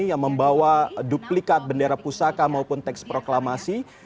yang membawa duplikat bendera pusaka maupun teks proklamasi